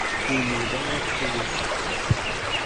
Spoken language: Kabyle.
Inuda ɣef tsewlaft-is.